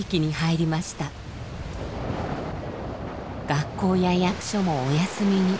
学校や役所もお休みに。